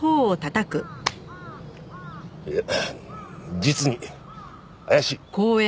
いや実に怪しい！